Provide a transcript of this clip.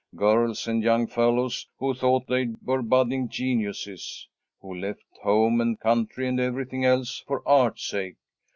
Girls and young fellows who thought they were budding geniuses. Who left home and country and everything else for art's sake.